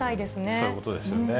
そういうことですよね。